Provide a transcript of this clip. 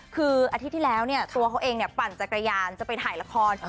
คืออาทิตย์ที่แล้วเนี่ยตัวเขาเองปั่นจักรยานจะไปถ่ายละคร